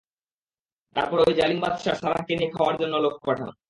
এরপর ঐ জালিম বাদশাহ সারাহকে নিয়ে যাওয়ার জন্যে লোক পাঠান।